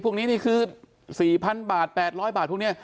พวกนี้นี่คือ๔๐๐๐บาท๘๐๐บาทพวกนี้